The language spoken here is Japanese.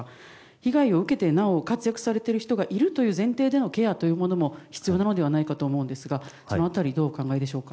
被害を受けてなお活躍されているという人がいるという前提でのケアも必要なのではないかと思うんですがその辺りどうお考えでしょうか。